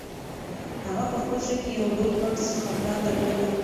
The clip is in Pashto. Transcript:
هغه په خپل زړه کې یو ډول پټ خپګان درلود.